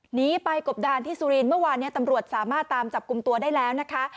หนีไปกบดานที่สุรินทร์เมื่อวานนี้ตำรวจสามารถตามจับกลุ่มตัวได้แล้วนะคะ